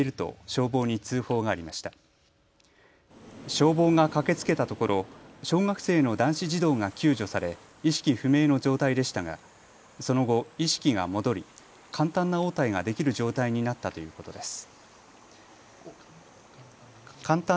消防が駆けつけたところ小学生の男子児童が救助され意識不明の状態でしたがその後、意識が戻り簡単な応答ができる状態になったということです。